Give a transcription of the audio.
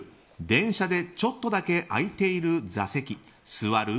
電車でちょっとだけ空いている座席座る？